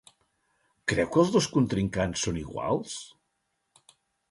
Creu que els dos contrincants són iguals?